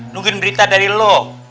nungguin berita dari lo